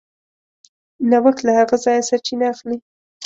نوښت له هغه ځایه سرچینه اخلي.